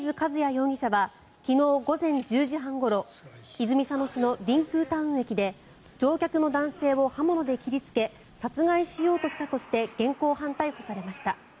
容疑者は昨日午前１０時半ごろ泉佐野市のりんくうタウン駅で乗客の男性を刃物で切りつけ殺害しようとしたとして現行犯逮捕されました。